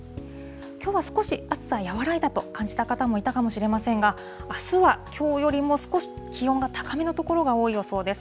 きょうは少し暑さ和らいだと感じた方もいたかもしれませんが、あすはきょうよりも少し気温が高めの所が多い予想です。